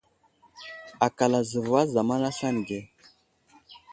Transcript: Akal azəvo a zamana aslane ge.